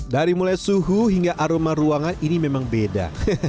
dari mulai suhu hingga aroma ruangan ini memang beda